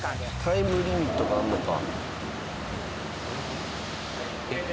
タイムリミットがあるのか。